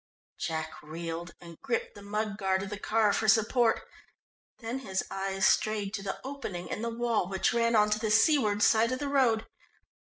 Jack reeled and gripped the mud guard of the car for support, then his eyes strayed to the opening in the wall which ran on the seaward side of the road.